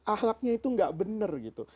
ahlaknya itu gak bener gitu